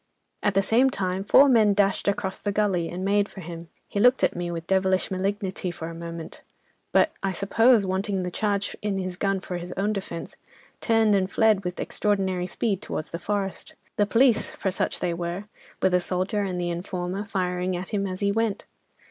At the same time four men dashed across the gully and made for him. He looked at me with devilish malignity for a moment, but I suppose, wanting the charge in his gun for his own defence, turned and fled with extraordinary speed towards the forest, the police—for such they were—with a soldier and the informer, firing at him as he went.